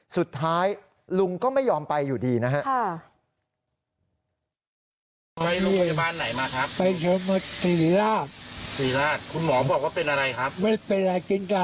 สุดท้ายลุงก็ไม่ยอมไปอยู่ดีนะครับ